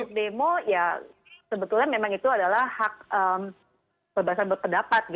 kalau untuk demo ya sebetulnya memang itu adalah hak perbasan berpedapat